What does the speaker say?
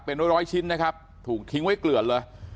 เป็นร้อยร้อยชิ้นนะครับถูกทิ้งไว้เกลือนเลย